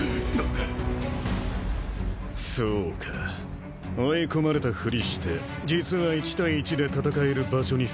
そうか追い込まれたふりして実は一対一で戦える場所に誘い込んだわけか。